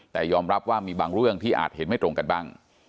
แต่ยอมรับว่ามีบางเรื่องที่อาจเห็นไม่ตรงกันบ้าง